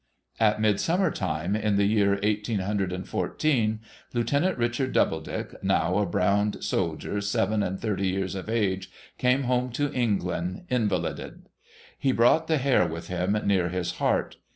At Midsummer time, in the year eighteen hundred and fourteen, Lieutenant Richard Doubledick, now a browned soldier, seven and thirty years of age, came home to England invalided. He brought the hair with him, near his heart.